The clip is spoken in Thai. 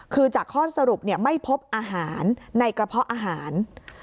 คือจากข้อสรุปไม่พบอาหารในกระเพาะอาหาร